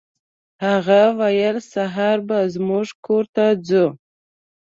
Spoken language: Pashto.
هغه ویل سهار به زموږ کور ته ځو.